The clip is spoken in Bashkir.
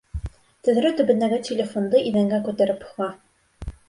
Тәҙрә төбөндәге телефонды иҙәнгә күтәреп һуға.